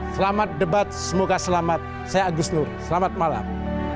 selamat debat semoga selamat saya agus nur selamat malam